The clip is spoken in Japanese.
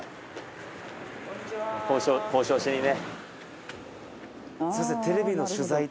交渉交渉しにね。